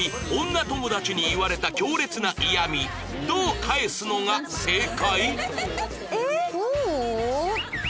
「女友達に言われた強烈な嫌みどう返すのが正解？」